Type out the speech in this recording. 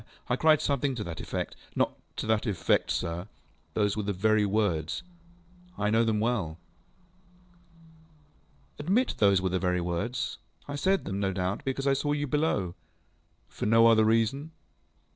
ŌĆ£I cried something to that effectŌĆöŌĆØ ŌĆ£Not to that effect, sir. Those were the very words. I know them well. ŌĆØ ŌĆ£Admit those were the very words. I said them, no doubt, because I saw you below. ŌĆØ ŌĆ£For no other reason?